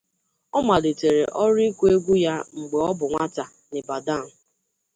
Ọ malitere ọrụ ịkụ egwu ya mgbe ọ bụ nwata n’Ibadan.